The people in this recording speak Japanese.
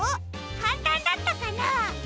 かんたんだったかな？